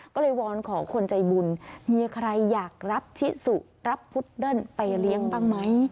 ก็เลยวอนขอคนใจบุญมีใครอยากรับชิสุรับพุดเดิ้ลไปเลี้ยงบ้างไหม